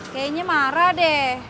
kayaknya marah deh